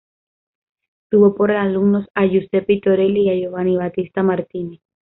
Tuvo por alumnos a Giuseppe Torelli y Giovanni Battista Martini.